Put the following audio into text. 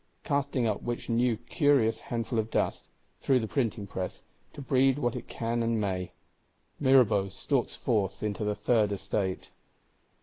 Casting up which new curious handful of dust (through the Printing press), to breed what it can and may, Mirabeau stalks forth into the Third Estate.